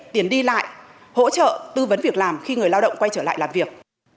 tiền đi lại hỗ trợ tư vấn việc làm khi người lao động quay trở lại làm việc